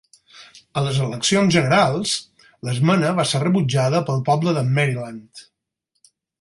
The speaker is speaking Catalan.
A les eleccions generals, l'esmena va ser rebutjada pel poble de Maryland.